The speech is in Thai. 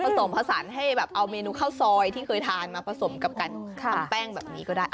สมผสานให้แบบเอาเมนูข้าวซอยที่เคยทานมาผสมกับการทำแป้งแบบนี้ก็ได้